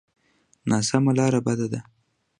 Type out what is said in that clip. ناسمه لاره بده ده.